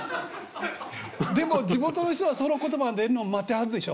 でも地元の人はその言葉が出んのを待ってはるでしょ。